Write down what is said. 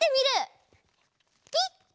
ピッ！